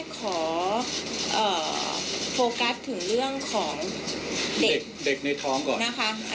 ขอโฟกัสถึงเรื่องของเด็กเด็กในท้องก่อนนะคะ